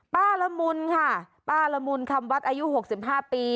ละมุนค่ะป้าละมุนคำวัดอายุ๖๕ปี